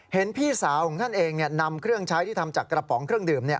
เห็นพี่สาวของท่านเองนำเครื่องใช้ที่ทำจากกระป๋องเครื่องดื่ม